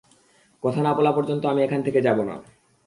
কথা না বলা পর্যন্ত আমি এখান থেকে যাবো না।